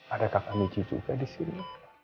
adakah kak michi juga disini